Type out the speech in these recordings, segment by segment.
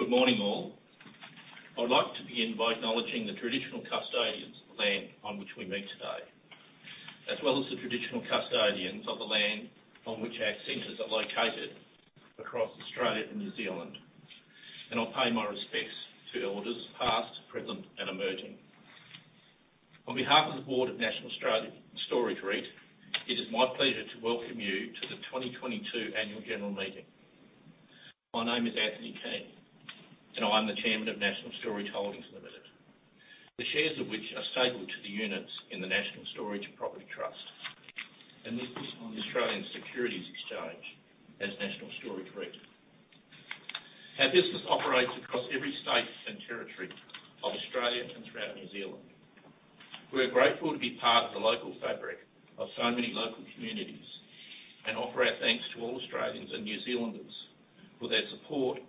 Good morning, all. I'd like to begin by acknowledging the traditional custodians of the land on which we meet today, as well as the traditional custodians of the land on which our centers are located across Australia and New Zealand. I pay my respects to elders, past, present, and emerging. On behalf of the Board of National Storage REIT, it is my pleasure to welcome you to the 2022 Annual General Meeting. My name is Anthony Keane, and I'm the Chairman of National Storage Holdings Limited, the shares of which are stapled to the units in the National Storage Property Trust, and listed on the Australian Securities Exchange as National Storage REIT. Our business operates across every state and territory of Australia and throughout New Zealand. We're grateful to be part of the local fabric of so many local communities, and offer our thanks to all Australians and New Zealanders for their support,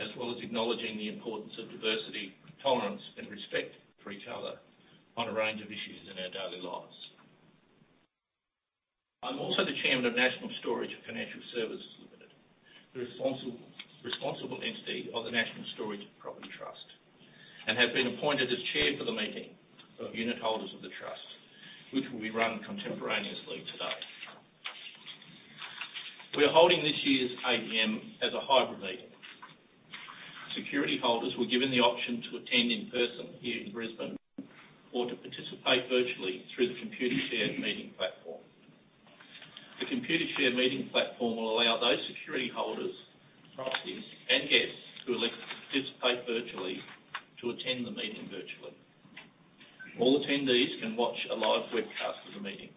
as well as acknowledging the importance of diversity, tolerance, and respect for each other on a range of issues in our daily lives. I'm also the Chairman of National Storage Financial Services Limited, the responsible entity of the National Storage Property Trust, and have been appointed as chair for the meeting of unitholders of the Trust, which will be run contemporaneously today. We are holding this year's AGM as a hybrid meeting. Security holders were given the option to attend in person here in Brisbane or to participate virtually through the Computershare meeting platform. The Computershare meeting platform will allow those security holders, proxies, and guests who elect to participate virtually to attend the meeting virtually. All attendees can watch a live webcast of the meeting.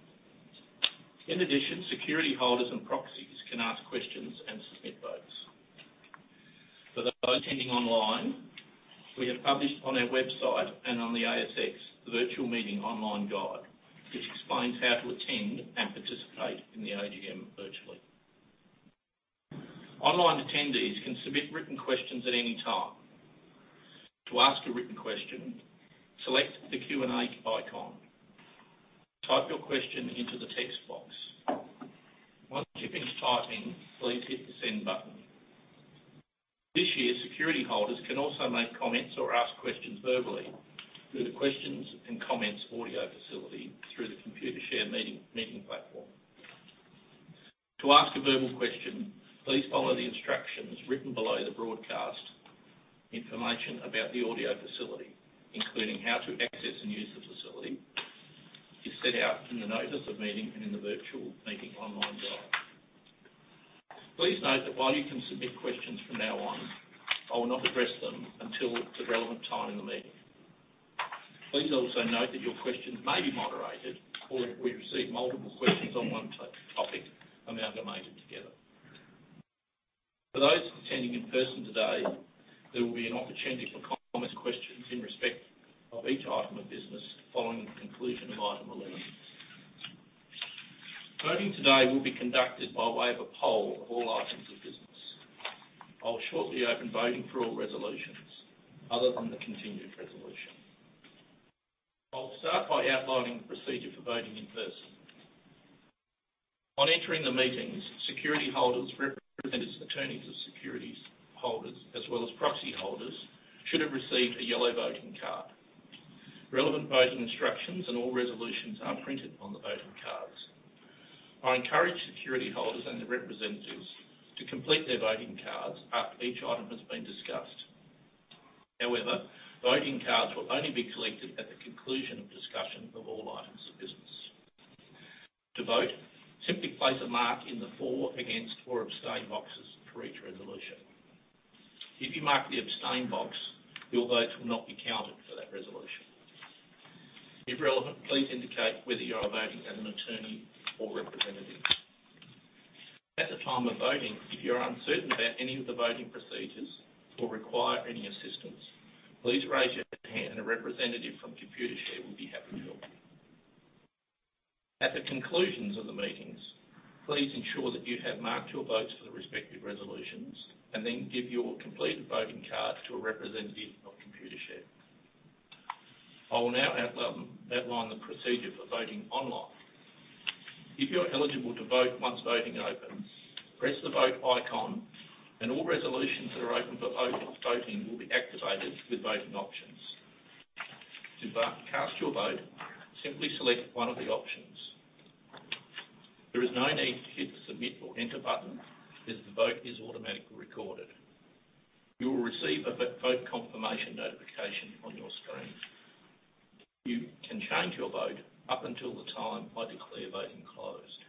In addition, security holders and proxies can ask questions and submit votes. For those attending online, we have published on our website and on the ASX the virtual meeting online guide, which explains how to attend and participate in the AGM virtually. Online attendees can submit written questions at any time. To ask a written question, select the Q&A icon. Type your question into the text box. Once you've finished typing, please hit the send button. This year, security holders can also make comments or ask questions verbally through the questions and comments audio facility through the Computershare meeting platform. To ask a verbal question, please follow the instructions written below the broadcast information about the audio facility, including how to access and use the facility, is set out in the notice of meeting and in the virtual meeting online guide. Please note that while you can submit questions from now on, I will not address them until the relevant time in the meeting. Please also note that your questions may be moderated, or if we receive multiple questions on one top-topic, amalgamated together. For those attending in person today, there will be an opportunity for comments, questions in respect of each item of business following the conclusion of item eleven. Voting today will be conducted by way of a poll of all items of business. I will shortly open voting for all resolutions other than the continued resolution. I'll start by outlining the procedure for voting in person. On entering the meetings, security holders, representatives, attorneys of securities holders, as well as proxy holders should have received a yellow voting card. Relevant voting instructions and all resolutions are printed on the voting cards. I encourage security holders and their representatives to complete their voting cards after each item has been discussed. However, voting cards will only be collected at the conclusion of discussion of all items of business. To vote, simply place a mark in the for, against, or abstain boxes for each resolution. If you mark the abstain box, your votes will not be counted for that resolution. If relevant, please indicate whether you are voting as an attorney or representative. At the time of voting, if you're uncertain about any of the voting procedures or require any assistance, please raise your hand and a representative from Computershare will be happy to help you. At the conclusions of the meetings, please ensure that you have marked your votes for the respective resolutions, and then give your completed voting card to a representative of Computershare. I will now outline the procedure for voting online. If you're eligible to vote once voting opens, press the Vote icon and all resolutions that are open for voting will be activated with voting options. To cast your vote, simply select one of the options. There is no need to hit the Submit or Enter button, as the vote is automatically recorded. You will receive a vote confirmation notification on your screen. You can change your vote up until the time I declare voting closed.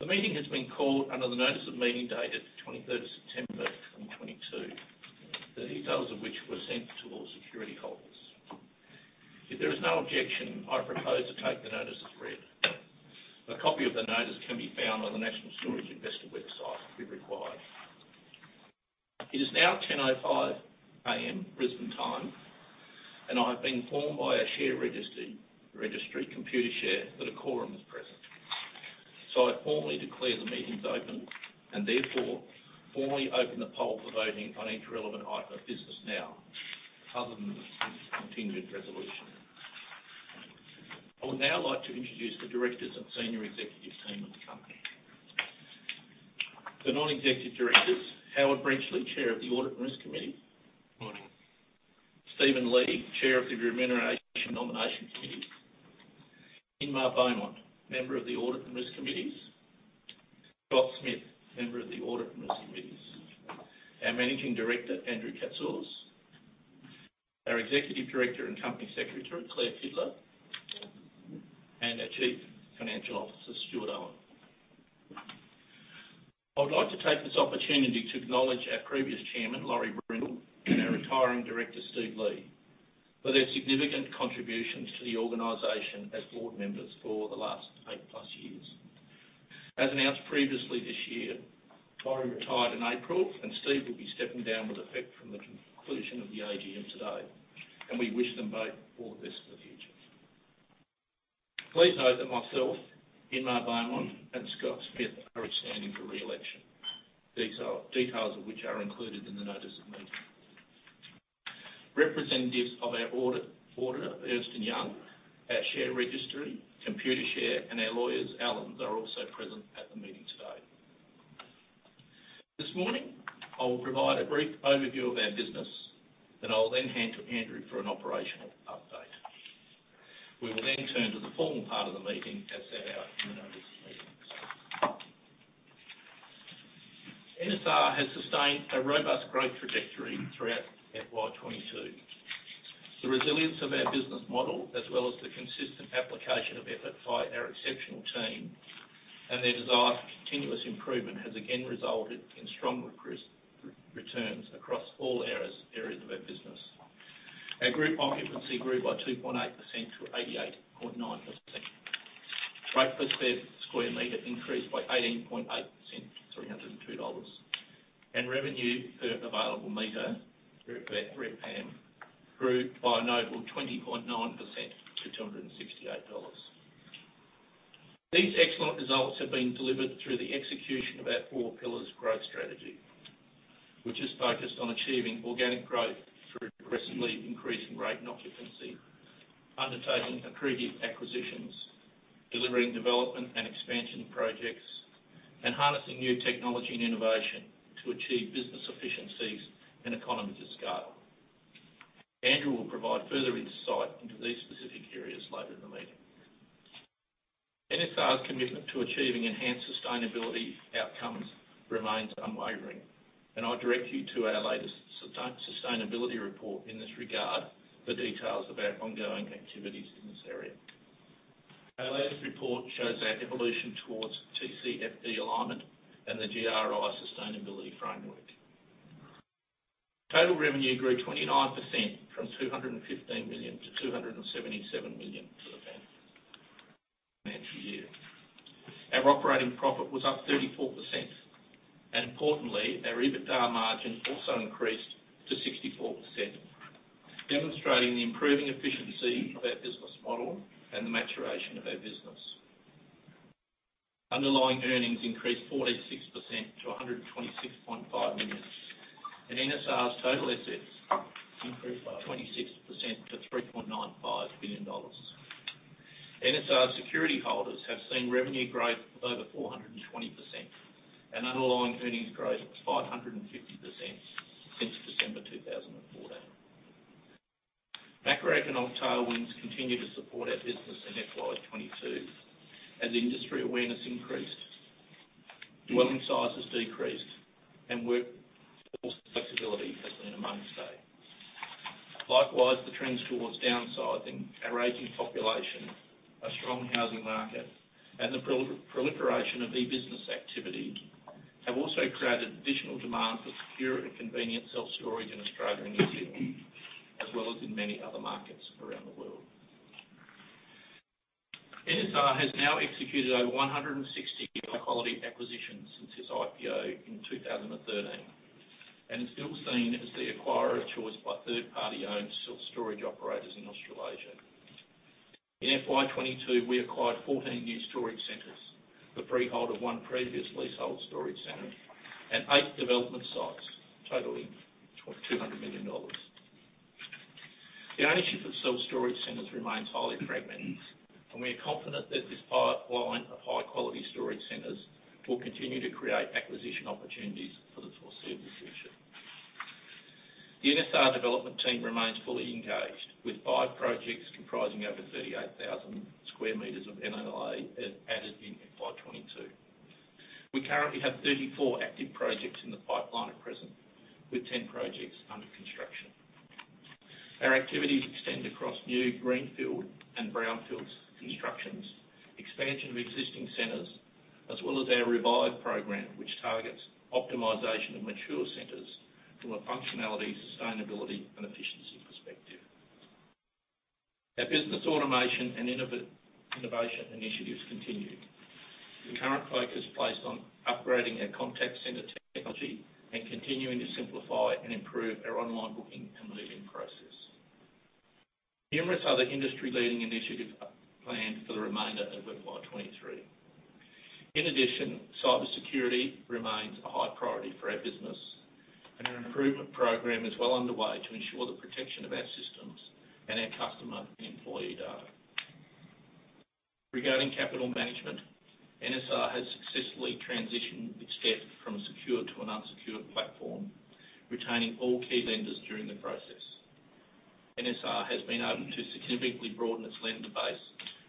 The meeting has been called under the notice of meeting date at the 23rd of September, 2022. The details of which were sent to all security holders. If there is no objection, I propose to take the notice as read. A copy of the notice can be found on the National Storage Investor website if required. It is now 10:00 A.M., Brisbane time, and I've been informed by our share registry, Computershare, that a quorum is present. I formally declare the meetings open and therefore formally open the polls for voting on each relevant item of business now, other than the continued resolution. I would now like to introduce the directors and senior executive team of the company. The non-executive directors, Howard Brenchley, Chair of the Audit and Risk Committee. Morning. Steven Leigh, Chair of the Remuneration and Nomination Committee. Inmaculada Beaumont, member of the Audit and Risk Committees. Scott Smith, member of the Audit and Risk Committees. Our Managing Director, Andrew Catsoulis. Our Executive Director and Company Secretary, Claire Fidler. Our Chief Financial Officer, Stuart Owen. I would like to take this opportunity to acknowledge our previous chairman, Laurence Brindle, and our retiring director, Steven Leigh, for their significant contributions to the organization as board members for the last eight-plus years. As announced previously this year, Laurie retired in April, and Steve will be stepping down with effect from the conclusion of the AGM today, and we wish them both all the best for the future. Please note that myself, Inmaculada Beaumont, and Scott Smith are standing for re-election. These details of which are included in the notice of meeting. Representatives of our auditor, Ernst & Young, our share registry, Computershare, and our lawyers, Allens, are also present at the meeting today. This morning, I will provide a brief overview of our business, then I will hand to Andrew for an operational update. We will then turn to the formal part of the meeting as set out in the notice of meeting. NSR has sustained a robust growth trajectory throughout FY 2022. The resilience of our business model, as well as the consistent application of effort by our exceptional team and their desire for continuous improvement, has again resulted in strong returns across all areas of our business. Our group occupancy grew by 2.8% to 88.9%. Rate per square meter increased by 18.8% to 302 dollars. Revenue per available meter, or RevPAM, grew by a notable 20.9% to 268 dollars. These excellent results have been delivered through the execution of our four pillars growth strategy, which is focused on achieving organic growth through aggressively increasing rate and occupancy, undertaking accretive acquisitions, delivering development and expansion projects, and harnessing new technology and innovation to achieve business efficiencies and economies of scale. Andrew will provide further insight into these specific areas later in the meeting. NSR's commitment to achieving enhanced sustainability outcomes remains unwavering, and I direct you to our latest sustainability report in this regard for details of our ongoing activities in this area. Our latest report shows our evolution towards TCFD alignment and the GRI sustainability framework. Total revenue grew 29% from 215 million to 277 million for the financial year. Our operating profit was up 34%. Importantly, our EBITDA margin also increased to 64%, demonstrating the improving efficiency of our business model and the maturation of our business. Underlying earnings increased 46% to 126.5 million. NSR's total assets increased by 26% to 3.95 billion dollars. NSR security holders have seen revenue growth of over 420%, and underlying earnings growth of 550% since December 2014. Macroeconomic tailwinds continue to support our business in FY 2022 as industry awareness increased, dwelling sizes decreased, and work force flexibility has been a mainstay. Likewise, the trends towards downsizing, our aging population, a strong housing market, and the proliferation of e-business activity have also created additional demand for secure and convenient self-storage in Australia and New Zealand, as well as in many other markets around the world. NSR has now executed over 160 high-quality acquisitions since its IPO in 2013, and is still seen as the acquirer of choice by third-party owned self-storage operators in Australasia. In FY 2022, we acquired 14 new storage centers, the freehold of one previous leasehold storage center, and eight development sites totaling 200 million dollars. The ownership of self-storage centers remains highly fragmented, and we are confident that this pipeline of high-quality storage centers will continue to create acquisition opportunities for the foreseeable future. The NSR development team remains fully engaged with five projects comprising over 38,000 square meters of NLA added in FY 2022. We currently have 34 active projects in the pipeline at present, with 10 projects under construction. Our activities extend across new greenfield and brownfields constructions, expansion of existing centers, as well as our Revive program, which targets optimization of mature centers from a functionality, sustainability, and efficiency perspective. Our business automation and innovation initiatives continued, with current focus placed on upgrading our contact center technology and continuing to simplify and improve our online booking and move-in process. Numerous other industry-leading initiatives are planned for the remainder of FY 2023. In addition, cybersecurity remains a high priority for our business, and an improvement program is well underway to ensure the protection of our systems and our customer and employee data. Regarding capital management, NSR has successfully transitioned its debt from a secured to an unsecured platform, retaining all key lenders during the process. NSR has been able to significantly broaden its lender base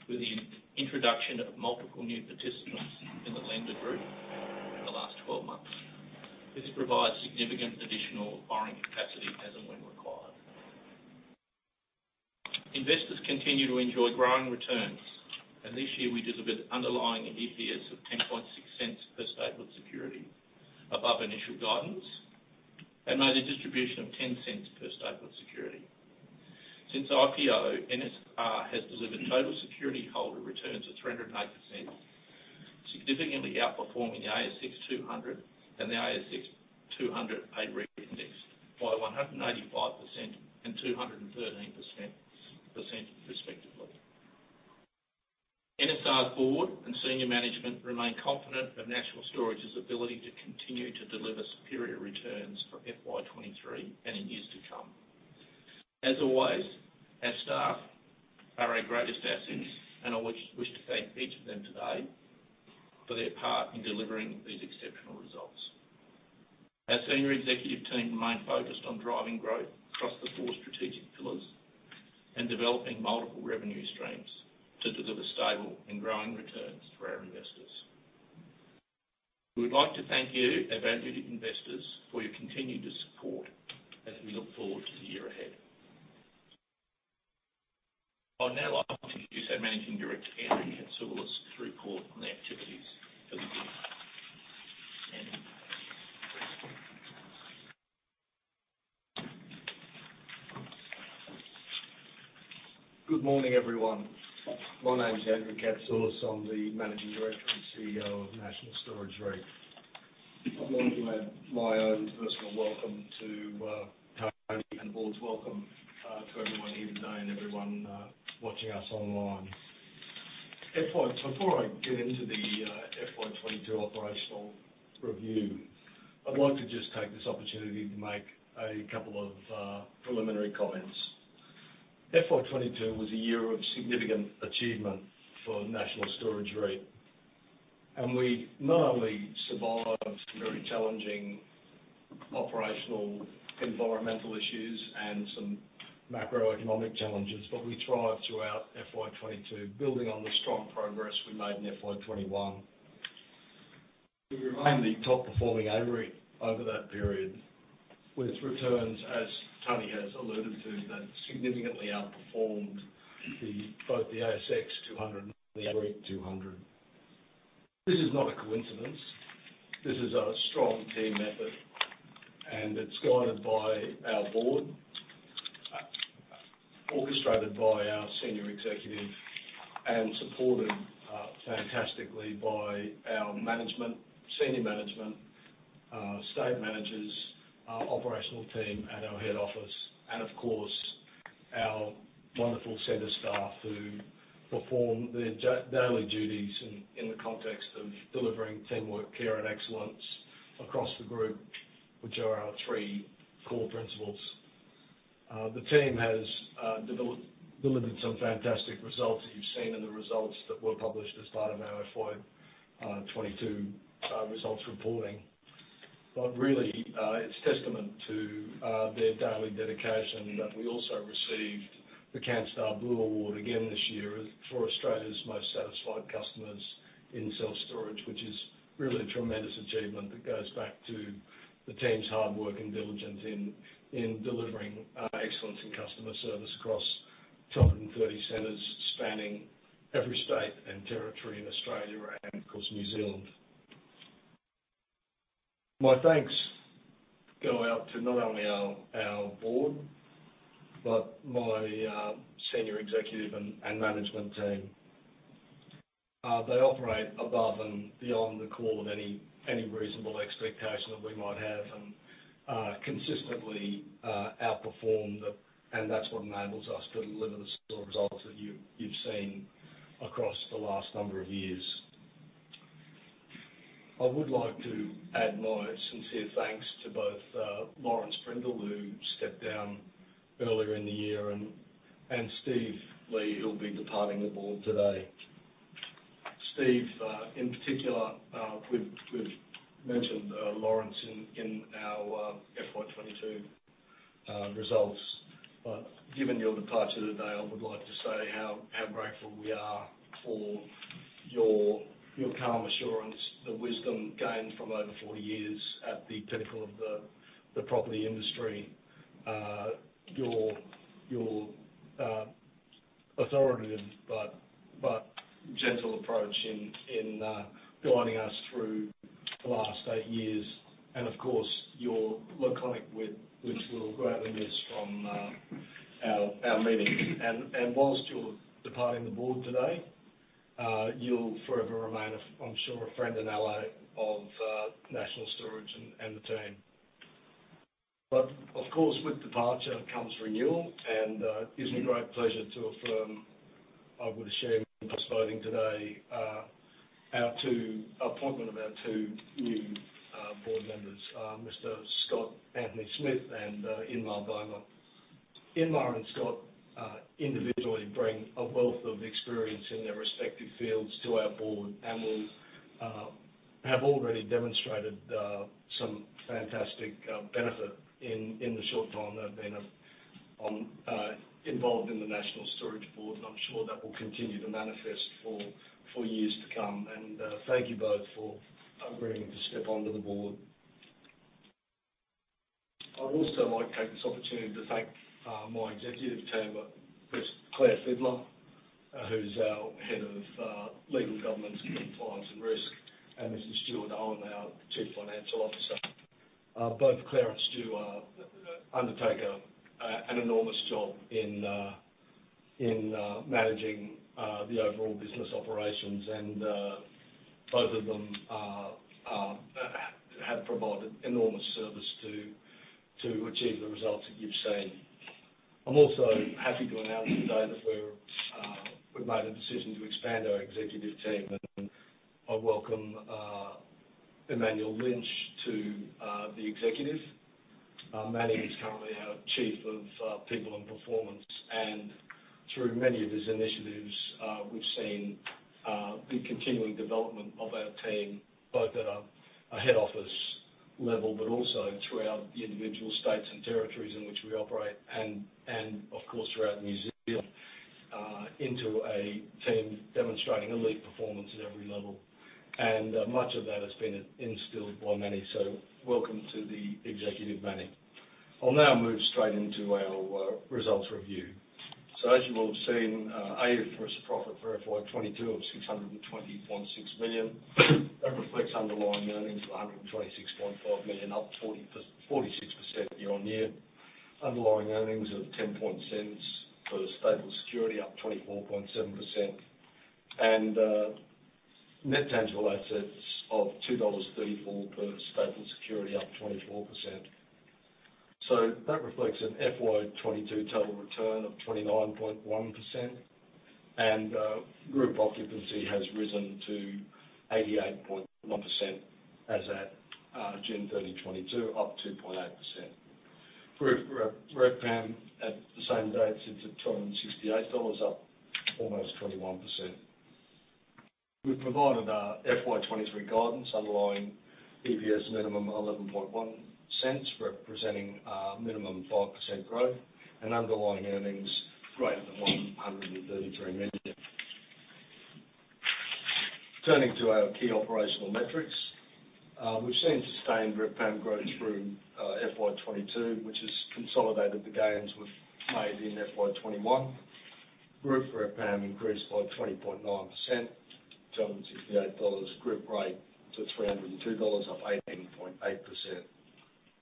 with the introduction of multiple new participants in the lender group in the last 12 months. This provides significant additional borrowing capacity as and when required. Investors continue to enjoy growing returns, and this year we delivered underlying EPS of 0.106 per stapled security above initial guidance, and made a distribution of 0.10 per stapled security. Since IPO, NSR has delivered total security holder returns of 308%, significantly outperforming the S&P/ASX 200 and the S&P/ASX 200 A-REIT index by 185% and 213%, respectively. NSR board and senior management remain confident of National Storage's ability to continue to deliver superior returns for FY 2023 and in years to come. As always, our staff are our greatest assets, and I wish to thank each of them today for their part in delivering these exceptional results. Our senior executive team remain focused on driving growth across the four strategic pillars and developing multiple revenue streams to deliver stable and growing returns for our investors. We would like to thank you, our valued investors, for your continued support as we look forward to the year ahead. I'd now like to introduce our Managing Director, Andrew Catsoulis, to report on the activities of the group. Andy. Good morning, everyone. My name is Andrew Catsoulis. I'm the Managing Director and CEO of National Storage REIT. I'd like to add my own personal welcome to Tony and the board's welcome to everyone here today and everyone watching us online. Before I get into the FY 2022 operational review, I'd like to just take this opportunity to make a couple of preliminary comments. FY 2022 was a year of significant achievement for National Storage REIT. We not only survived some very challenging operational environmental issues and some macroeconomic challenges, but we thrived throughout FY 2022, building on the strong progress we made in FY 2021. We remain the top performing A-REIT over that period, with returns, as Tony has alluded to, that significantly outperformed both the S&P/ASX 200 and the S&P/ASX 200 A-REIT. This is not a coincidence. This is a strong team effort, and it's guided by our board, orchestrated by our senior executive, and supported, fantastically by our management, senior management, state managers, our operational team at our head office, and of course, our wonderful center staff who perform their daily duties in the context of delivering teamwork, care, and excellence across the group, which are our three core principles. The team has delivered some fantastic results that you've seen in the results that were published as part of our FY 2022 results reporting. Really, it's testament to their daily dedication that we also received the Canstar Blue Award again this year for Australia's most satisfied customers in self-storage, which is really a tremendous achievement that goes back to the team's hard work and diligence in delivering excellence in customer service across 230 centers spanning every state and territory in Australia and, of course, New Zealand. My thanks go out to not only our board, but my senior executive and management team. They operate above and beyond the call of any reasonable expectation that we might have and consistently outperform the. That's what enables us to deliver the sort of results that you've seen across the last number of years. I would like to add my sincere thanks to both Laurence Brindle, who stepped down earlier in the year, and Steven Leigh, who'll be departing the board today. Steven, in particular, we've mentioned Laurence in our FY 2022 results. Given your departure today, I would like to say how grateful we are for your calm assurance, the wisdom gained from over 40 years at the pinnacle of the property industry. Your authoritative, but gentle approach in guiding us through the last eight years and of course, your laconic wit which we'll greatly miss from our meetings. While you're departing the board today, you'll forever remain, I'm sure, a friend and ally to the team. Of course, with departure comes renewal and it gives me great pleasure to affirm our appointment of our two new board members, Mr. Scott Smith and Inmaculada Beaumont. Inmaculada and Scott individually bring a wealth of experience in their respective fields to our board and will have already demonstrated some fantastic benefit in the short time they've been involved in the National Storage board. I'm sure that will continue to manifest for years to come. Thank you both for agreeing to step onto the board. I'd also like to take this opportunity to thank my executive team of Ms. Claire Fidler, who's our head of Legal, Governance, Compliance and Risk, and Mr. Stuart Owen, our Chief Financial Officer. Both Claire and Stuart undertake an enormous job in managing the overall business operations. Both of them have provided enormous service to achieve the results that you've seen. I'm also happy to announce today that we've made a decision to expand our executive team, and I welcome Emmanuel Lynch to the executive. Manny is currently our Chief People and Performance. Through many of his initiatives, we've seen the continuing development of our team, both at a head office level, but also throughout the individual states and territories in which we operate, and of course, throughout New Zealand, into a team demonstrating elite performance at every level. Much of that has been instilled by Manny. Welcome to the executive, Manny. I'll now move straight into our results review. As you will have seen, AFMS profit for FY 2022 of 620.6 million. That reflects underlying earnings of 126.5 million, up 46% year-over-year. Underlying earnings of 0.10 per stapled security, up 24.7%. Net tangible assets of 2.34 dollars per stapled security, up 24%. That reflects an FY 2022 total return of 29.1%. Group occupancy has risen to 88.1% as at June 30, 2022, up 2.8%. Group RevPAM at the same date sits at 268 dollars, up almost 21%. We've provided our FY 2023 guidance underlying EPS minimum 0.111, representing minimum 5% growth and underlying earnings greater than 133 million. Turning to our key operational metrics. We've seen sustained RevPAM growth through FY 2022, which has consolidated the gains we've made in FY 2021. Group RevPAM increased by 20.9% to 268 dollars. Group rate to 302 dollars, up 18.8%.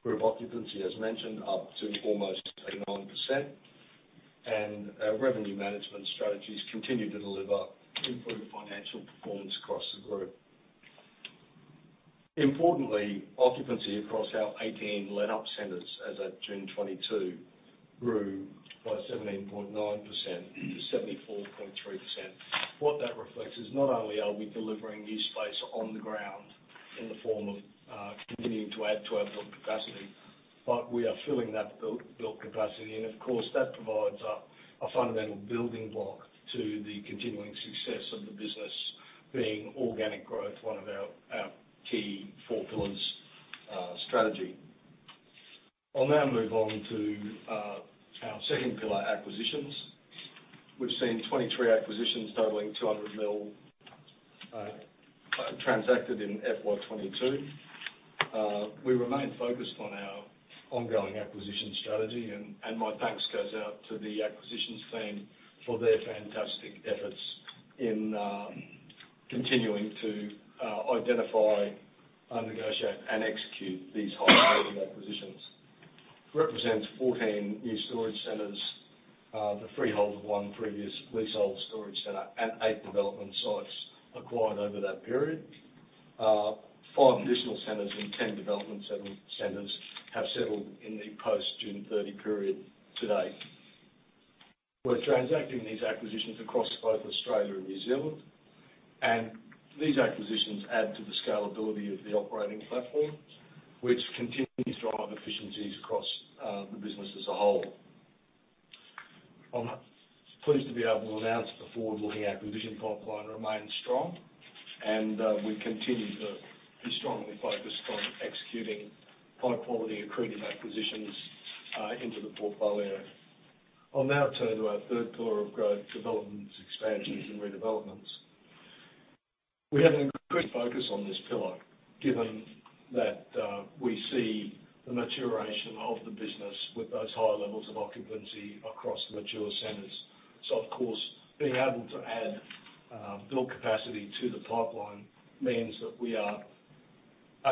Group occupancy, as mentioned, up to almost 89%. Our revenue management strategies continue to deliver improved financial performance across the group. Importantly, occupancy across our 18 let-up centres as of June 2022 grew by 17.9% to 74.3%. What that reflects is not only are we delivering new space on the ground in the form of continuing to add to our built capacity, but we are filling that built capacity. Of course, that provides a fundamental building block to the continuing success of the business being organic growth, one of our key 4 pillars strategy. I'll now move on to our second pillar, acquisitions. We've seen 23 acquisitions totaling 200 million transacted in FY 2022. We remain focused on our ongoing acquisition strategy, and my thanks goes out to the acquisitions team for their fantastic efforts in continuing to identify, negotiate and execute these high acquisitions. Represents 14 new storage centers, the freehold of one previous leasehold storage center, and 8 development sites acquired over that period. Five additional centers and 10 development centers have settled in the post-June 30 period to date. We're transacting these acquisitions across both Australia and New Zealand. These acquisitions add to the scalability of the operating platform, which continues to drive efficiencies across the business as a whole. I'm pleased to be able to announce the forward-looking acquisition pipeline remains strong, and we continue to be strongly focused on executing high-quality, accretive acquisitions into the portfolio. I'll now turn to our third pillar of growth, developments, expansions and redevelopments. We have an increased focus on this pillar given that we see the maturation of the business with those higher levels of occupancy across mature centers. Being able to add built capacity to the pipeline means that we are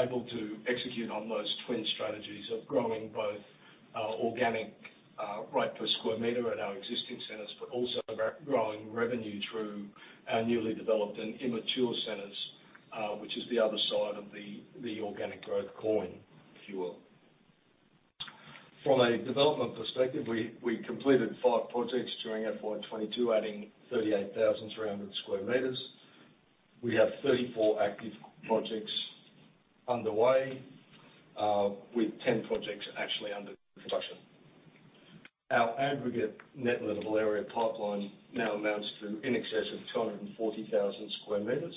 able to execute on those twin strategies of growing both organic rate per square meter at our existing centers, but also growing revenue through our newly developed and immature centers, which is the other side of the organic growth coin, if you will. From a development perspective, we completed 5 projects during FY 2022, adding 38,300 square meters. We have 34 active projects underway, with 10 projects actually under construction. Our aggregate net lettable area pipeline now amounts to in excess of 240,000 square meters,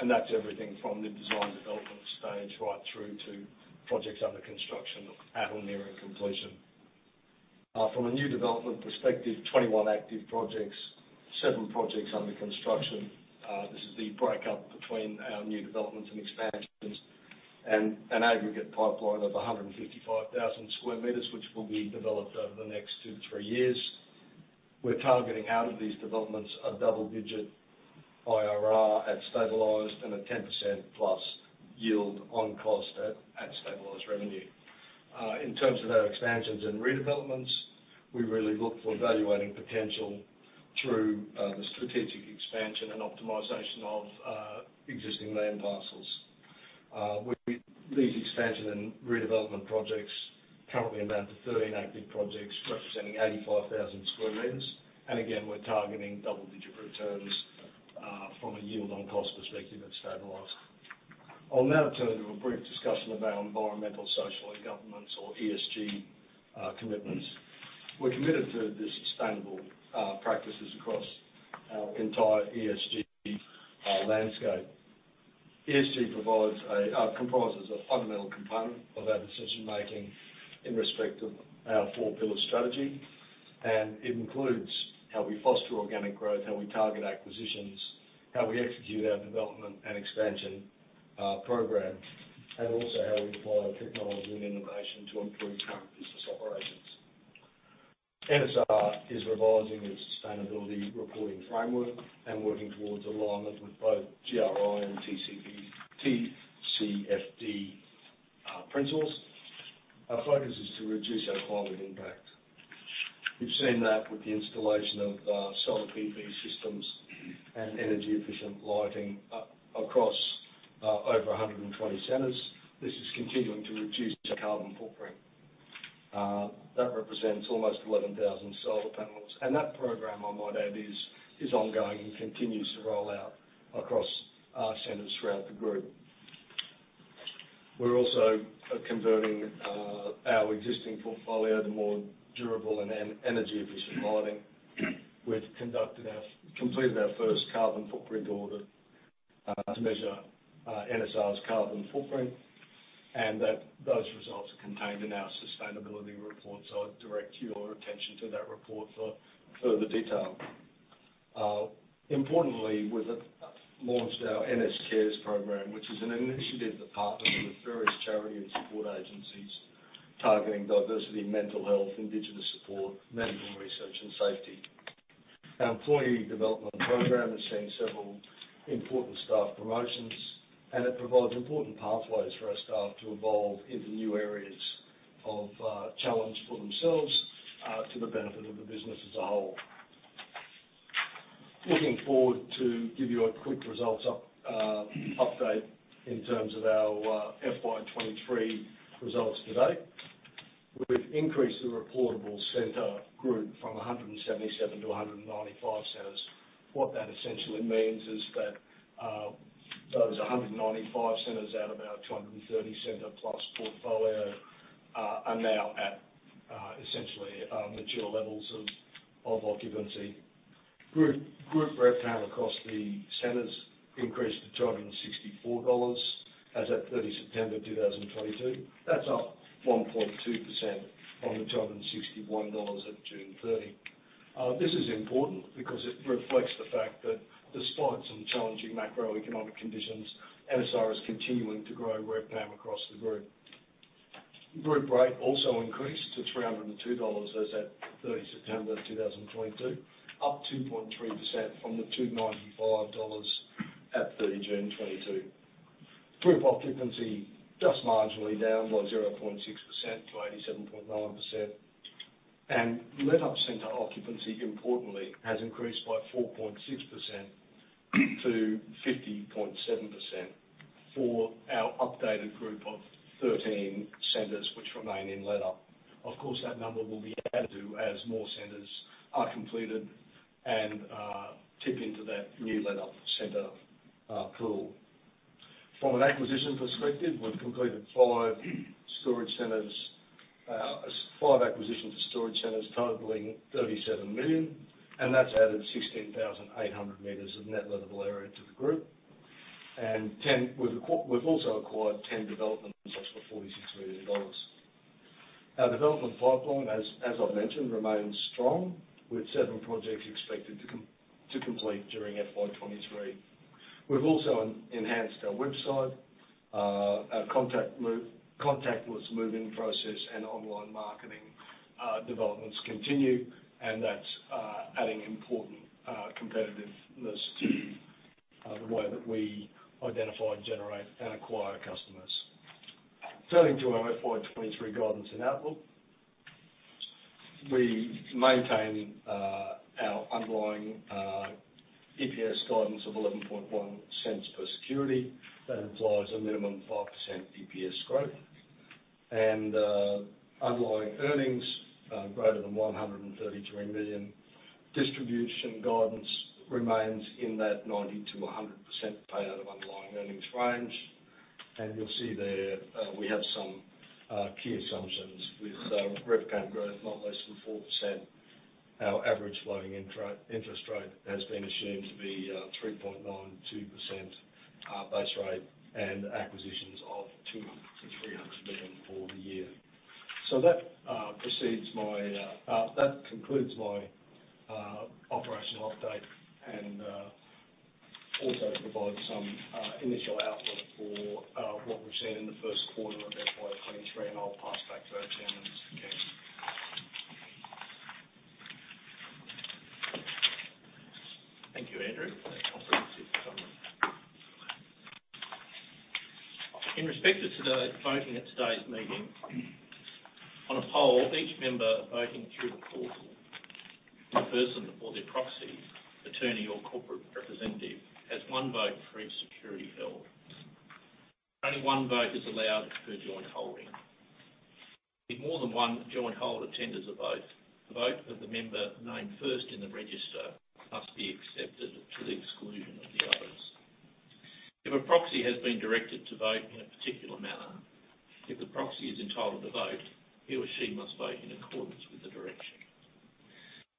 and that's everything from the design development stage right through to projects under construction at or near completion. From a new development perspective, 21 active projects, 7 projects under construction. This is the breakdown between our new developments and expansions and an aggregate pipeline of 155,000 square meters, which will be developed over the next 2-3 years. We're targeting out of these developments a double-digit IRR at stabilized and a 10%+ yield on cost at stabilized revenue. In terms of our expansions and redevelopments, we really look for evaluating potential through the strategic expansion and optimization of existing land parcels. These expansion and redevelopment projects currently amount to 13 active projects representing 85,000 square meters. Again, we're targeting double-digit returns from a yield on cost perspective at stabilized. I'll now turn to a brief discussion about environmental, social, and governance or ESG commitments. We're committed to the sustainable practices across our entire ESG landscape. ESG comprises a fundamental component of our decision-making in respect of our four-pillar strategy. It includes how we foster organic growth, how we target acquisitions, how we execute our development and expansion program, and also how we deploy technology and innovation to improve current business operations. NSR is revising its sustainability reporting framework and working towards alignment with both GRI and TCFD principles. Our focus is to reduce our climate impact. We've seen that with the installation of solar PV systems and energy-efficient lighting across over 120 centers. This is continuing to reduce the carbon footprint. That represents almost 11,000 solar panels. That program, I might add, is ongoing and continues to roll out across our centers throughout the group. We're also converting our existing portfolio to more durable and energy-efficient lighting. We've completed our first carbon footprint audit to measure NSR's carbon footprint, and those results are contained in our sustainability report. I'd direct your attention to that report for further detail. Importantly, we've launched our NS Cares program, which is an initiative that partners with various charity and support agencies targeting diversity, mental health, indigenous support, medical research, and safety. Our employee development program has seen several important staff promotions, and it provides important pathways for our staff to evolve into new areas of challenge for themselves to the benefit of the business as a whole. Looking forward to give you a quick results update in terms of our FY 2023 results today. We've increased the reportable center group from 177 to 195 centers. What that essentially means is that those 195 centers out of our 230-center plus portfolio are now at essentially mature levels of occupancy. Group RevPAM across the centers increased to 264 dollars as at 30 September 2022. That's up 1.2% from the 261 dollars at 30 June 2022. This is important because it reflects the fact that despite some challenging macroeconomic conditions, NSR is continuing to grow RevPAM across the group. Group rate also increased to 302 dollars as at 30 September 2022, up 2.3% from the 295 dollars at 30 June 2022. Group occupancy just marginally down by 0.6% to 87.9%. Let-up center occupancy, importantly, has increased by 4.6% to 50.7% for our updated group of 13 centers which remain in let-up. Of course, that number will be added to as more centers are completed and tip into that new let-up center pool. From an acquisition perspective, we've completed 5 storage centers, 5 acquisitions of storage centers totaling 37 million, and that's added 16,800 meters of net lettable area to the group. We've also acquired 10 development sites for 46 million dollars. Our development pipeline, as I've mentioned, remains strong, with 7 projects expected to complete during FY 2023. We've also enhanced our website, our contactless move-in process and online marketing. Developments continue, and that's adding important competitiveness to the way that we identify, generate, and acquire customers. Turning to our FY 2023 guidance and outlook. We maintain our underlying EPS guidance of 0.111 per security. That implies a minimum 5% EPS growth. Underlying earnings greater than 133 million. Distribution guidance remains in that 90%-100% payout of underlying earnings range. You'll see there we have some key assumptions with revenue growth not less than 4%. Our average floating interest rate has been assumed to be 3.92% base rate, and acquisitions of 200 million-300 million for the year. That precedes my. That concludes my operational update and also provides some initial outlook for what we've seen in the first quarter of FY 2023, and I'll pass back to our chairman, Mr. Keane. Thank you, Andrew, for your comprehensive comment. In respect to today's voting at today's meeting, on a poll, each member voting through the portal, the person or their proxy, attorney or corporate representative has one vote for each security held. Only one vote is allowed per joint holding. If more than one joint holder tenders a vote, the vote of the member named first in the register must be accepted to the exclusion of the others. If a proxy has been directed to vote in a particular manner, if the proxy is entitled to vote, he or she must vote in accordance with the direction.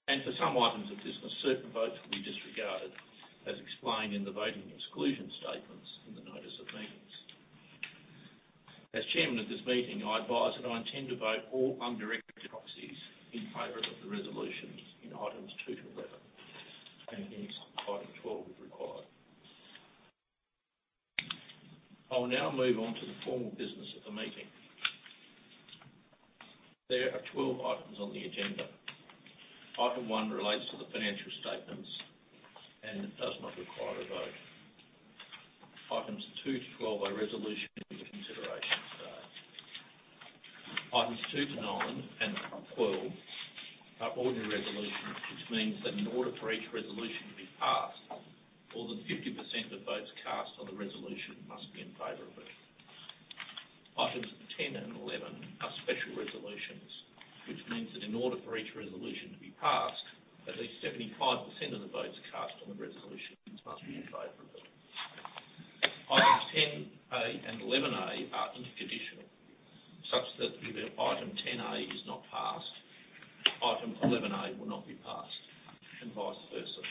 For some items of business, certain votes will be disregarded as explained in the voting exclusion statements in the notice of meetings. As chairman of this meeting, I advise that I intend to vote all undirected proxies in favor of the resolutions in items 2 to 11 and against item 12, if required. I will now move on to the formal business of the meeting. There are 12 items on the agenda. Item 1 relates to the financial statements and does not require a vote. Items 2 to 12 are resolutions for consideration today. Items 2 to 9 and 12 are ordinary resolutions, which means that in order for each resolution to be passed, more than 50% of votes cast on the resolution must be in favor of it. Items 10 and 11 are special resolutions, which means that in order for each resolution to be passed, at least 75% of the votes cast on the resolutions must be in favor of it. Items 10 A and 11 A are interconditional, such that if item 10 A is not passed, item 11 A will not be passed, and vice versa.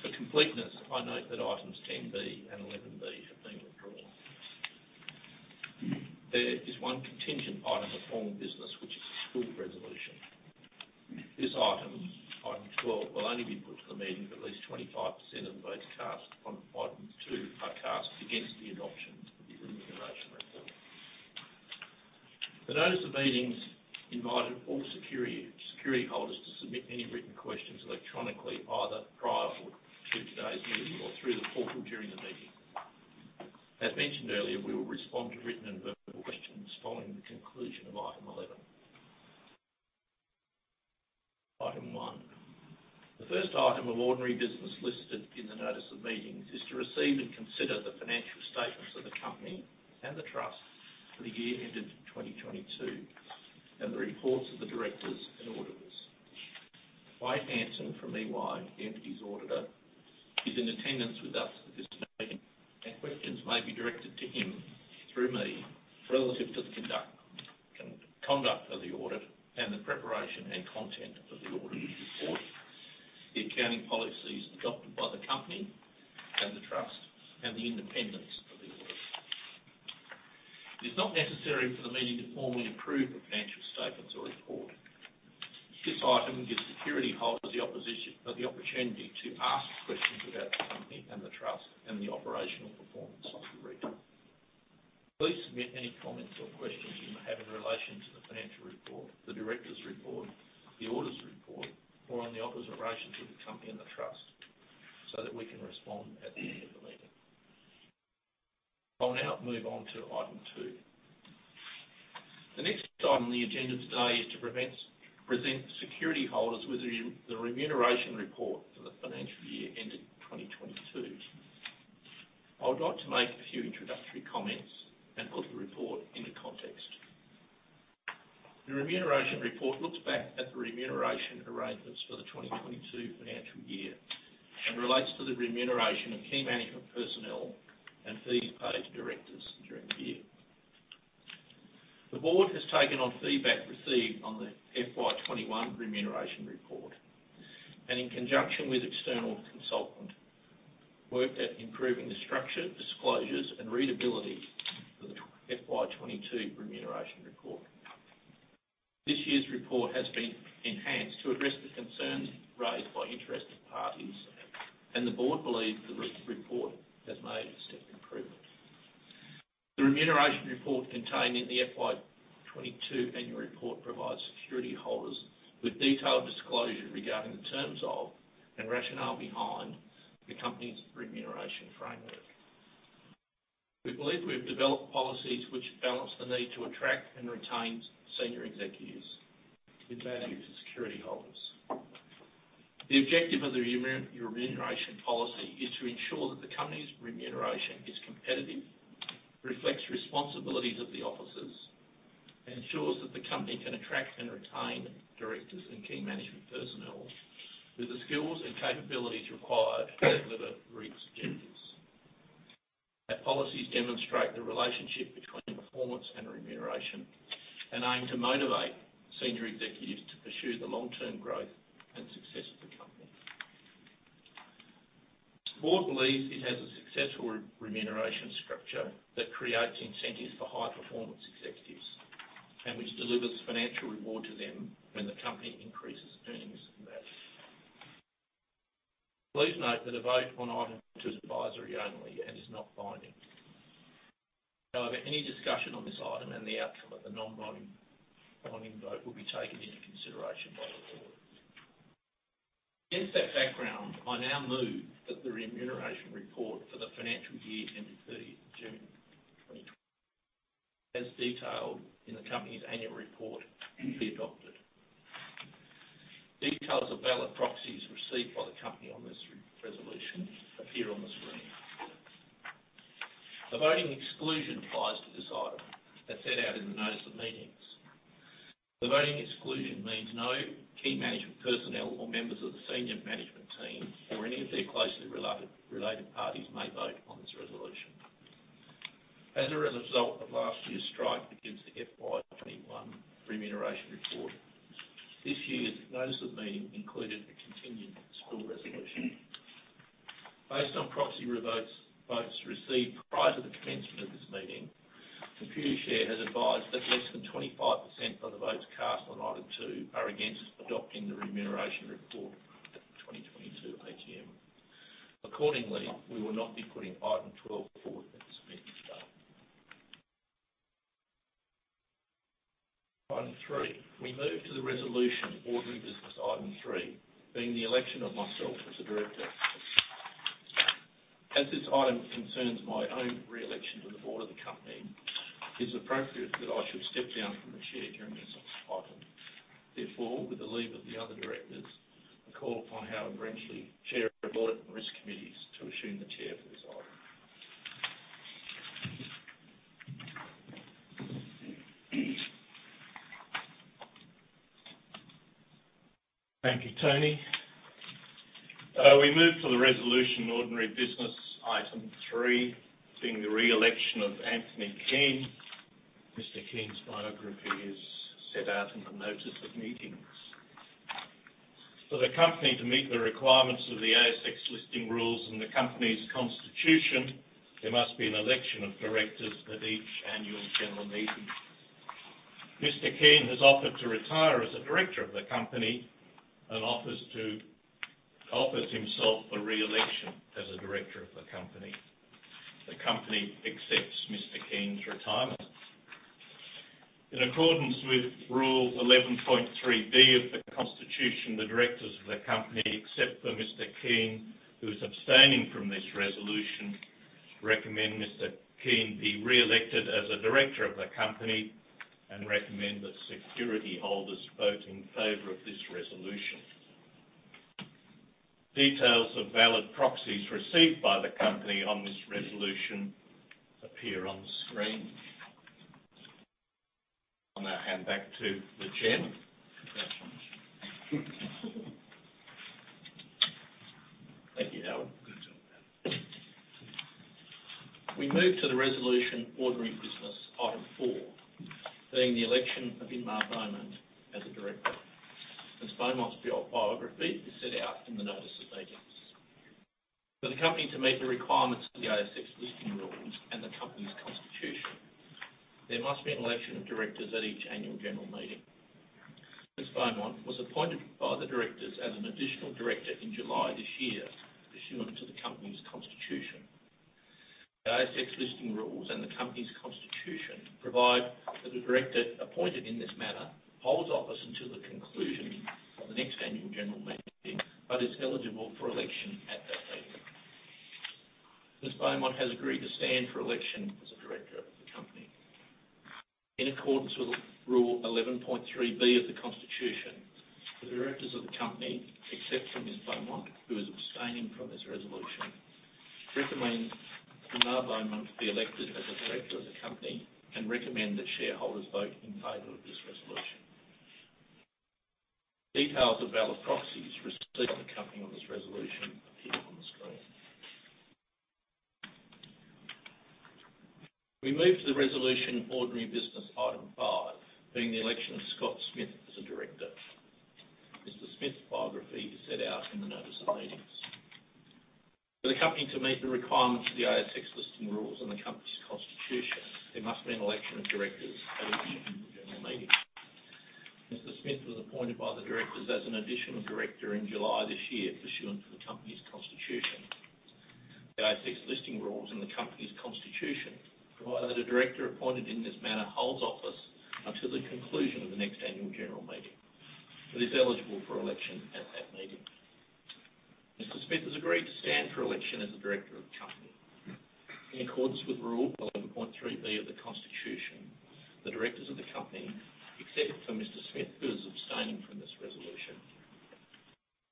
For completeness, I note that items 10 B and 11 B have been withdrawn. There is one contingent item of formal business, which is a spill resolution. This item 12, will only be put to the meeting if at least 25% of the votes cast on item 2 are cast against the adoption of the remuneration report. The notice of meeting invited all security holders to submit any written questions electronically, either prior to today's meeting or through the portal during the meeting. As mentioned earlier, we will respond to written and verbal questions following the conclusion of item 11. Item 1. The first item of ordinary business listed in the notice of meetings is to receive and consider the financial statements of the company and the trust for the year ended 2022 and the reports of the directors and auditors. Wade Hansen from EY, the entity's auditor, is in attendance with us at this meeting, and questions may be directed to him through me relative to the conduct of the audit and the preparation and content of the auditor's report, the accounting policies adopted by the company and the trust, and the independence of the audit. It is not necessary for the meeting to formally approve the financial statements or report. This item gives security holders the opportunity to ask questions about the company and the trust and the operational performance of the group. Please submit any comments or questions you may have in relation to the financial report, the director's report, the auditor's report, or on the operations of the company and the trust, so that we can respond at the end of the meeting. I'll now move on to item two. The next item on the agenda today is to present security holders with the remuneration report for the financial year ended 2022. I would like to make a few introductory comments and put the report into context. The remuneration report looks back at the remuneration arrangements for the 2022 financial year and relates to the remuneration of key management personnel and fees paid to directors during the year. The board has taken on feedback received on the FY 2021 remuneration report and, in conjunction with external consultant, worked at improving the structure, disclosures and readability for the FY 2022 remuneration report. This year's report has been enhanced to address the concerns raised by interested parties, and the board believes the remuneration report has made significant. The remuneration report contained in the FY 2022 annual report provides security holders with detailed disclosure regarding the terms of and rationale behind the company's remuneration framework. We believe we've developed policies which balance the need to attract and retain senior executives with value to security holders. The objective of the remuneration policy is to ensure that the company's remuneration is competitive, reflects responsibilities of the offices, ensures that the company can attract and retain directors and key management personnel with the skills and capabilities required to deliver group's objectives. Our policies demonstrate the relationship between performance and remuneration and aim to motivate senior executives to pursue the long-term growth and success of the company. The board believes it has a successful remuneration structure that creates incentives for high-performance executives and which delivers financial reward to them when the company increases earnings. Please note that a vote on item two is advisory only and is not binding. However, any discussion on this item and the outcome of the non-binding vote will be taken into consideration by the board. Against that background, I now move that the remuneration report for the financial year ending 30 June, as detailed in the company's annual report, be adopted. Details of ballot proxies received by the company on this resolution appear on the screen. A voting exclusion applies to this item as set out in the notice of meeting. The voting exclusion means no key management personnel or members of the senior management team or any of their closely related parties may vote on this resolution. As a result of last year's strike against the FY 2021 remuneration report, this year's notice of meeting included a continued spill resolution. Based on proxy votes received prior to the commencement of this meeting, Computershare has advised that less than 25% of the votes cast on item 2 are against adopting the remuneration report for the 2022 AGM. Accordingly, we will not be putting item 12 forward at this meeting today. Item 3. We move to the resolution ordinary business item 3, being the election of myself as a director. As this item concerns my own re-election to the board of the company, it's appropriate that I should step down from the chair during this item. Therefore, with the leave of the other directors, I call upon Howard Brenchley, Chair of Audit and Risk Committees, to assume the chair for this item. Thank you, Tony. We move to the resolution ordinary business item 3, being the re-election of Anthony Keane. Mr. Keane's biography is set out in the notice of meetings. For the company to meet the requirements of the ASX Listing Rules and the company's constitution, there must be an election of directors at each annual general meeting. Mr. Keane has offered to retire as a director of the company and offers himself for re-election as a director of the company. The company accepts Mr. Keane's retirement. In accordance with rule 11.3B of the constitution, the directors of the company, except for Mr. Keane, who is abstaining from this resolution, recommend Mr. Keane be re-elected as a director of the company and recommend that security holders vote in favor of this resolution. Details of valid proxies received by the company on this resolution appear on screen. I'll now hand back to the chair. Congratulations. Thank you, Howard. Good job, man. We move to the resolution ordinary business item four, being the election of Inmaculada Beaumont as a director. Ms. Beaumont's biography is set out in the notice of meetings. For the company to meet the requirements of the ASX Listing Rules and the company's constitution, there must be an election of directors at each annual general meeting. Ms. Beaumont was appointed by the directors as an additional director in July this year pursuant to the company's constitution. The ASX Listing Rules and the company's constitution provide that a director appointed in this manner holds office until the conclusion of the next annual general meeting, but is eligible for election at that date. Ms. Beaumont has agreed to stand for election as a director of the company. In accordance with rule 11.3B of the constitution, the directors of the company, except for Ms. Beaumont, who is abstaining from this resolution, recommend Inmaculada Beaumont be elected as a director of the company and recommend that shareholders vote in favor of this resolution. Details of valid proxies received by the company on this resolution appear on the screen. We move to the resolution ordinary business item five, being the election of Scott Smith as a director. Mr. Smith's biography is set out in the notice of meetings. For the company to meet the requirements of the ASX listing rules and the company's constitution, there must be an election of directors at each annual general meeting. Mr. Smith was appointed by the directors as an additional director in July this year pursuant to the company's constitution. The ASX Listing Rules and the company's constitution provide that a director appointed in this manner holds office until the conclusion of the next annual general meeting, but is eligible for election at that meeting. Mr. Smith has agreed to stand for election as a director of the company. In accordance with Rule 11.3B of the Constitution, the directors of the company, except for Mr. Smith, who is abstaining from this resolution,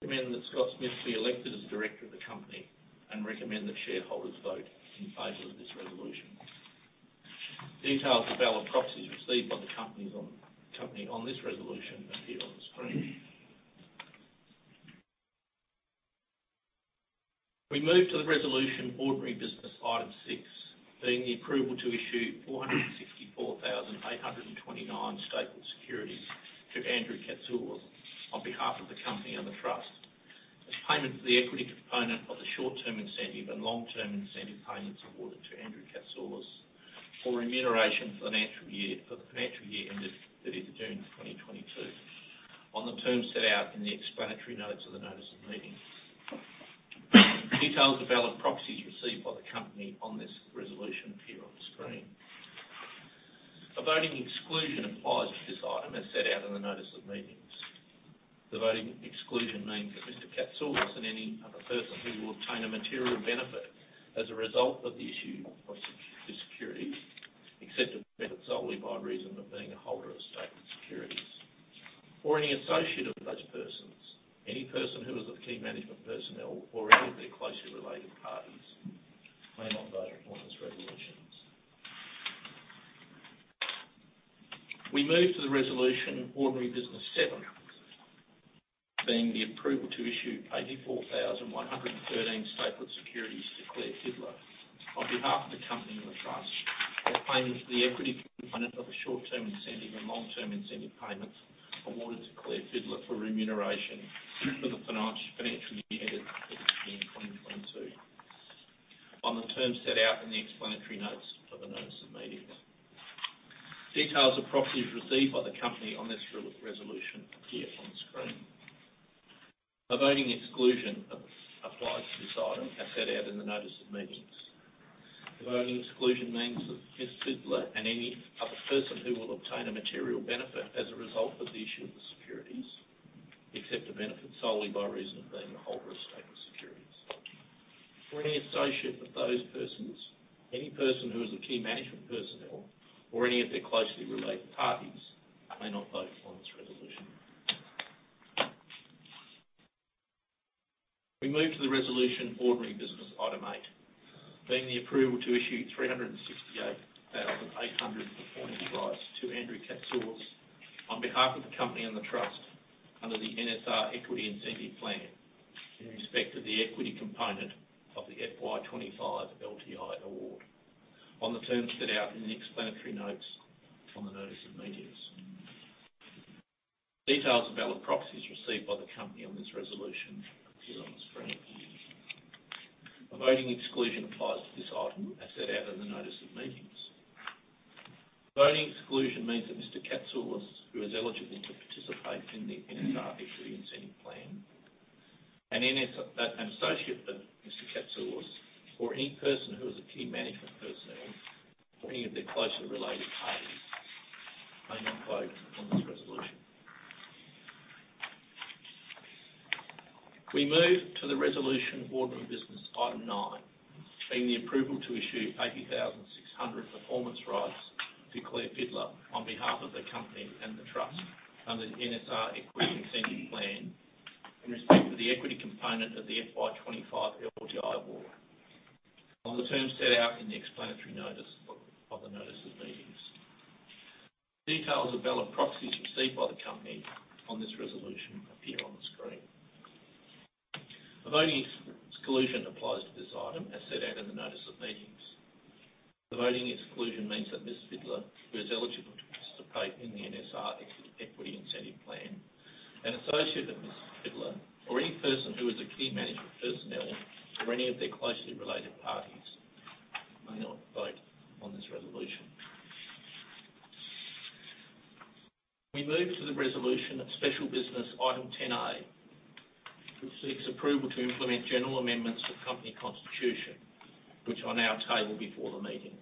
recommend that Scott Smith be elected as a director of the company and recommend that shareholders vote in favor of this resolution. Details of valid proxies received by the company on this resolution appear on the screen. We move to the resolution ordinary business item 6, being the approval to issue 464,829 stapled securities to Andrew Catsoulis on behalf of the company and the trust as payment for the equity component of the short-term incentive and long-term incentive payments awarded to Andrew Catsoulis for the financial year ended 30 June 2022 on the terms set out in the explanatory notes of the notice of meeting. Details of valid proxies received by the company on this resolution appear on the screen. A voting exclusion applies to this item as set out in the notice of meetings. The voting exclusion means that Mr. Catsoulis and any other person who will obtain a material benefit as a result of the issue of these securities, except a benefit solely by reason of being a holder of stapled securities. Any associate of those persons, any person who is of key management personnel or any of their closely related parties may not vote on this resolution. We move to the resolution ordinary business seven, being the approval to issue 84,113 stapled securities to Claire Fidler on behalf of the company and the trust as payment for the equity component of the short-term incentive and long-term incentive payments awarded to Claire Fidler for remuneration for the financial year ended June 2022 on the terms set out in the explanatory notes for the notice of meeting. Details of proxies received by the company on this resolution appear on the screen. A voting exclusion applies to this item as set out in the notice of meetings. The voting exclusion means that Ms. Fidler and any other person who will obtain a material benefit as a result of the issue of the securities, except a benefit solely by reason of being a holder of stapled securities. Any associate of those persons, any person who is a key management personnel or any of their closely related parties may not vote on this resolution. We move to the resolution ordinary business item 8, being the approval to issue 368,800 performance rights to Andrew Catsoulis on behalf of the company and the trust under the NSR Equity Incentive Plan in respect of the equity component of the FY 2025 LTI award on the terms set out in the explanatory notes on the notice of meetings. Details of valid proxies received by the company on this resolution appear on the screen. A voting exclusion applies to this item as set out in the notice of meetings. Voting exclusion means that Mr. Catsoulis, who is eligible to participate in the NSR Equity Incentive Plan and any associate of Mr. Catsoulis, or any person who is a key management personnel or any of their closely related parties may not vote on this resolution. We move to the resolution ordinary business item 9, being the approval to issue 80,600 performance rights to Claire Fidler on behalf of the company and the trust under the NSR Equity Incentive Plan in respect of the equity component of the FY 2025 LTI award on the terms set out in the explanatory notice of the notice of meetings. Details of valid proxies received by the company on this resolution appear on the screen. A voting exclusion applies to this item as set out in the notice of meetings. The voting exclusion means that Ms. Fidler, who is eligible to participate in the NSR Equity Incentive Plan, an associate of Ms. Fidler, or any person who is a key management personnel or any of their closely related parties may not vote on this resolution. We move to the resolution of special business item 10A, which seeks approval to implement general amendments to company constitution, which I now table before the meeting,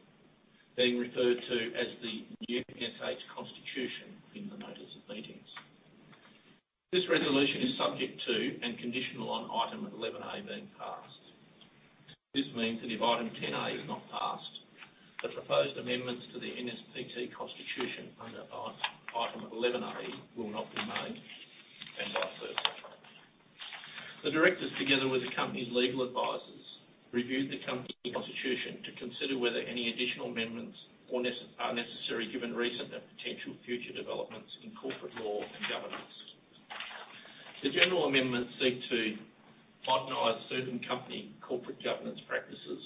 being referred to as the new NSH Constitution in the notice of meetings. This resolution is subject to and conditional on item 11A being passed. This means that if item 10A is not passed, the proposed amendments to the NSPT Constitution under item 11A will not be made and are circled. The directors, together with the company's legal advisors, reviewed the company constitution to consider whether any additional amendments are necessary given recent and potential future developments in corporate law and governance. The general amendments seek to modernize certain company corporate governance practices,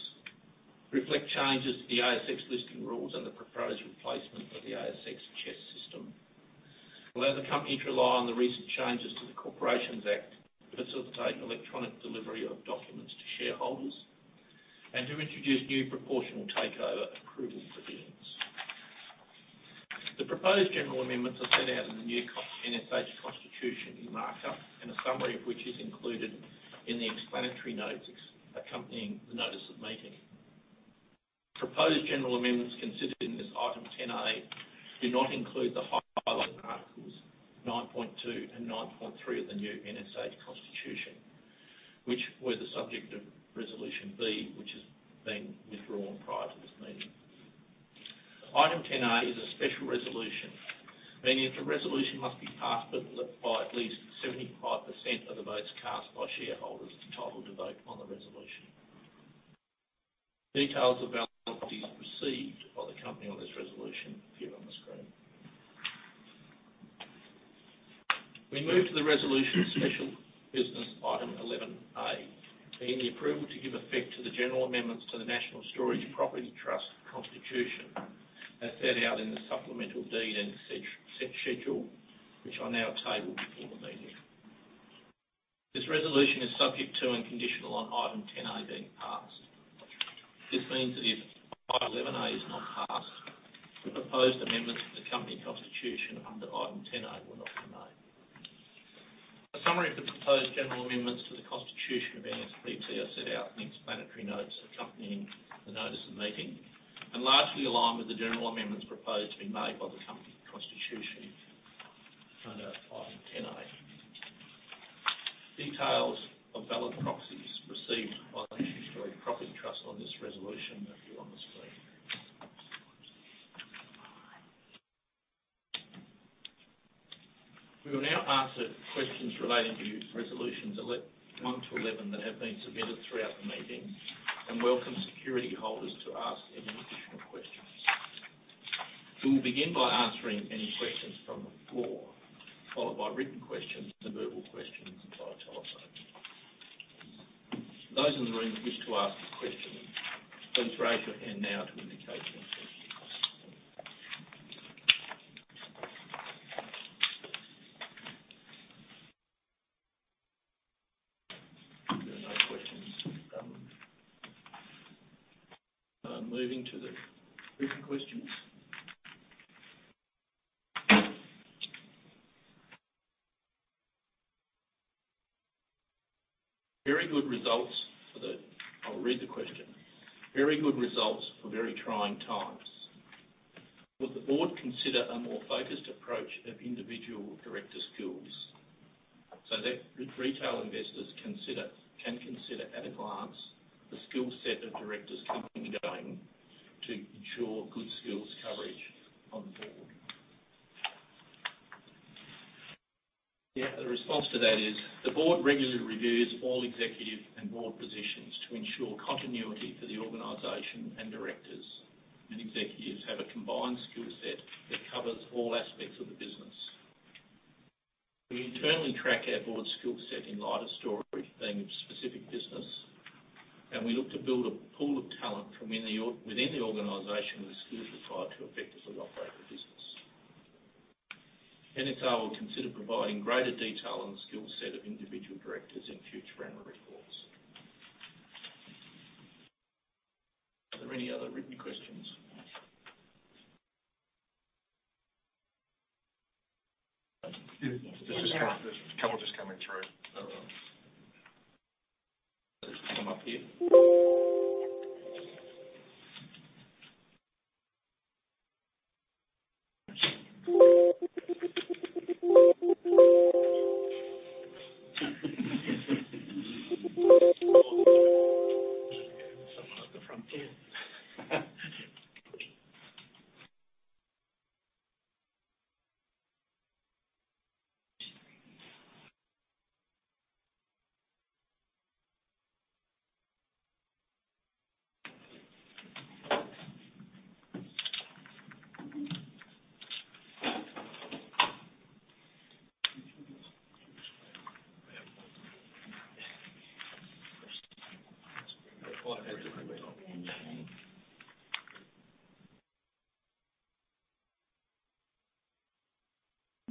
reflect changes to the ASX Listing Rules, and the proposed replacement of the ASX CHESS system. Allow the company to rely on the recent changes to the Corporations Act to take electronic delivery of documents to shareholders and to introduce new proportional takeover approval provisions. The proposed general amendments are set out in the new NSH Constitution in markup, and a summary of which is included in the explanatory notes accompanying the notice of meeting. Proposed general amendments considered in this item 10A do not include the highlighted articles 9.2 and 9.3 of the new NSH Constitution, which were the subject of resolution B, which has been withdrawn prior to this meeting. Item 10A is a special resolution, meaning the resolution must be passed by at least 75% of the votes cast by shareholders entitled to vote on the resolution. Details of valid copies received by the company on this resolution appear on the screen. We move to the resolution special business item 11A, being the approval to give effect to the general amendments to the National Storage Property Trust Constitution, as set out in the supplemental deed and schedule, which I now table before the meeting. This resolution is subject to and conditional on item 10A being passed. This means that if item 11A is not passed, the proposed amendments to the Company Constitution under item 10A will not be made. A summary of the proposed general amendments to the Constitution of NSPT are set out in the explanatory notes accompanying the notice of meeting and largely align with the general amendments proposed to be made by the Company Constitution under item 10A. Details of valid proxies received by the National Storage Property Trust on this resolution appear on the screen. We will now answer questions relating to resolutions 1 to 11 that have been submitted throughout the meeting and welcome security holders to ask any additional questions. We will begin by answering any questions from the floor, followed by written questions and verbal questions via telephone. Those in the room who wish to ask a question, please raise your hand now to indicate your question. There are no questions from the floor. Moving to the written questions. I'll read the question. Very good results for very trying times. Would the board consider a more focused approach of individual director skills so that retail investors can consider at a glance the skill set of directors coming and going to ensure good skills coverage on the board? Yeah, the response to that is the board regularly reviews all executive and board positions to ensure continuity for the organization, and directors and executives have a combined skill set that covers all aspects of the business. We internally track our board skill set in light of storage being a specific business, and we look to build a pool of talent from within the organization with skills required to effectively operate the business. NSR will consider providing greater detail on the skill set of individual directors in future annual reports. Are there any other written questions? Yeah, there's a couple just coming through.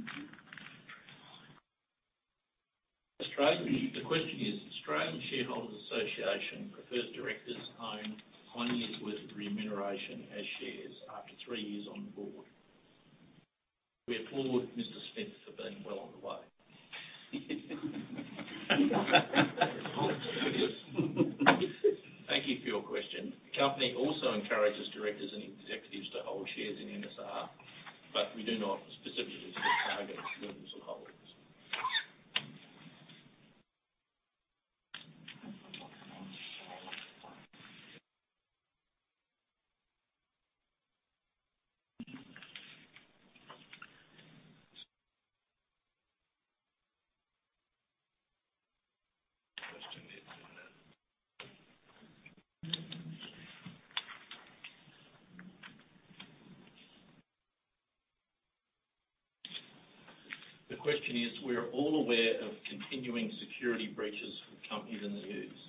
Come up here. Someone at the front here. Australia. The question is Australian Shareholders' Association prefers directors own 20 years' worth of remuneration as shares after 3 years on the board. We applaud Mr. Smith for being well on the way. Thank you for your question. The company also encourages directors and executives to hold shares in NSR, but we do not specifically set targets for them to hold. The question is: We are all aware of continuing security breaches with companies in the news.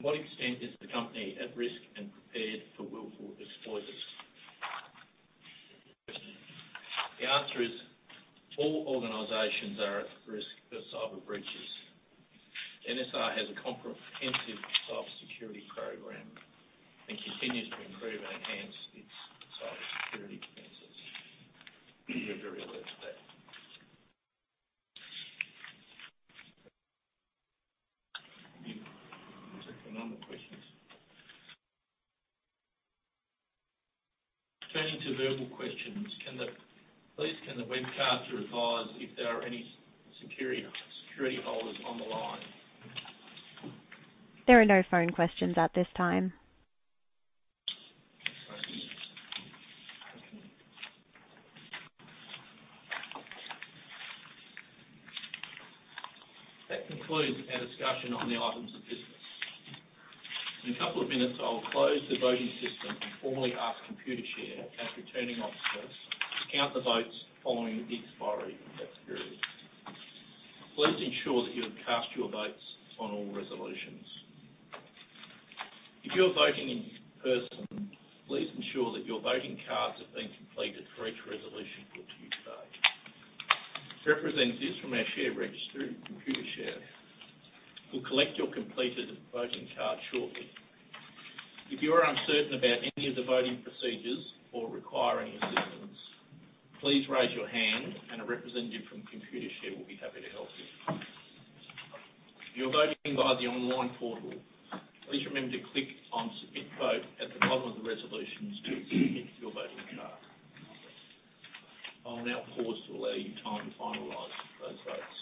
To what extent is the company at risk and prepared for willful exploits? The answer is all organizations are at risk for cyber breaches. NSR has a comprehensive cyber security program and continues to improve and enhance its cyber security defenses. We are very aware of that. We'll take some online questions. Turning to verbal questions, please can the webcaster advise if there are any security holders on the line? There are no phone questions at this time. That concludes our discussion on the items of business. In a couple of minutes, I will close the voting system and formally ask Computershare as returning officers to count the votes following the expiry of that period. Please ensure that you have cast your votes on all resolutions. If you are voting in person, please ensure that your voting cards have been completed for each resolution put to you today. Representatives from our share registry, Computershare, will collect your completed voting card shortly. If you are uncertain about any of the voting procedures or require any assistance, please raise your hand and a representative from Computershare will be happy to help you. If you are voting via the online portal, please remember to click on Submit Vote at the bottom of the resolutions to submit your voting card. I will now pause to allow you time to finalize those votes.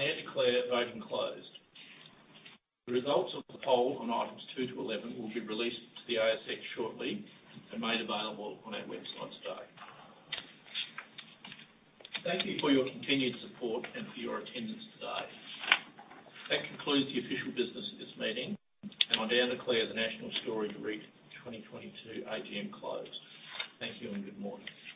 I now declare voting closed. The results of the poll on items 2 to 11 will be released to the ASX shortly and made available on our website today. Thank you for your continued support and for your attendance today. That concludes the official business of this meeting, and I now declare the National Storage REIT 2022 AGM closed. Thank you and good morning.